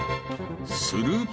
［すると］